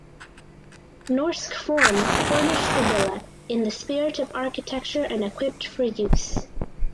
Norsk Form furnished the villa in "the spirit of architecture and equipped for use".